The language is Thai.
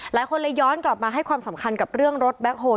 หลายคนเลยย้อนกลับมาให้ความสำคัญกับเรื่องรถแบ็คโฮล